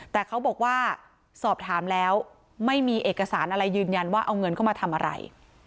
แต่เขาบอกว่าสอบถามแล้วไม่มีเอกสารอะไรยืนยันว่าเอาเงินเข้ามาทำอะไร